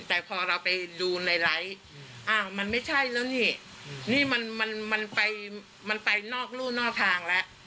แต่พอเราไปดูในไลค์อ้าวมันไม่ใช่แล้วนี่นี่มันมันไปมันไปนอกรู่นอกทางแล้ว